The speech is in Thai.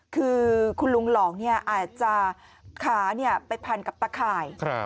คือคุณลุงหลองอาจจะขาไปพันกับตะข่าย